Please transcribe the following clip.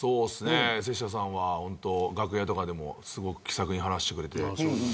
瀬下さんは楽屋とかでも気さくに話してくれて。